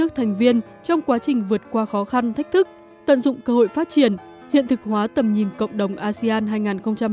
các thành viên trong quá trình vượt qua khó khăn thách thức tận dụng cơ hội phát triển hiện thực hóa tầm nhìn cộng đồng asean hai nghìn hai mươi năm